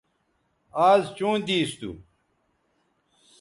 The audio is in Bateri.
آز چوں دیس تھو